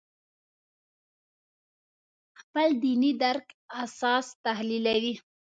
خپل دیني درک اساس تحلیلوي.